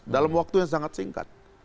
dalam waktu yang sangat singkat